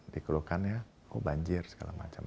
dikeluhkan ya oh banjir segala macam